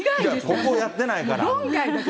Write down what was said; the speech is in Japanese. ここやってないから。